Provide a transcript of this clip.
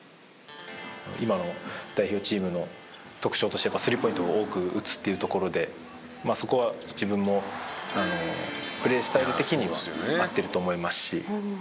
今の代表チームの特徴としてスリーポイントを多く打つっていうところでそこは自分もプレースタイル的には合ってると思いますし。